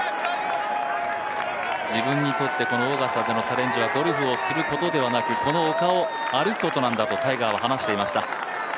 自分にとってオーガスタでのチャレンジはゴルフをすることではなくてこの丘を歩くことなんだとタイガーは話していました。